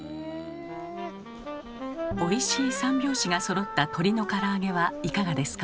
おいしい三拍子がそろった鶏のから揚げはいかがですか？